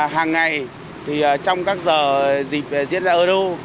hàng ngày trong các giờ dịp diễn ra euro